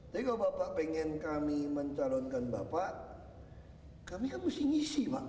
jadi kalau bapak pengen kami mencalonkan bapak kami kan mesti ngisi pak